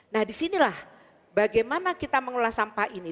nah disinilah bagaimana kita mengelola sampah ini